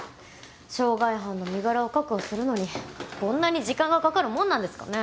傷害犯の身柄を確保するのにこんなに時間がかかるもんなんですかね？